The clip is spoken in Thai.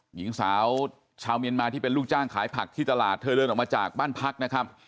หญิงสาวชาวเมียนมาที่เป็นลูกจ้างขายผักที่ตลาดเธอเดินออกมาจากบ้านพักนะครับ